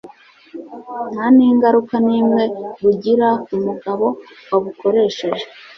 nta n'ingaruka n'imwe bugira ku mugabo wabukoresheje